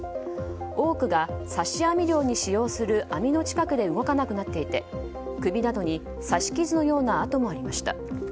多くが刺し網漁に使用する網の近くで動かなくなっていて首などに刺し傷のような痕もありました。